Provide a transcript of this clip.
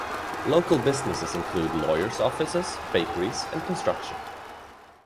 Local businesses include lawyers' offices, bakeries and construction.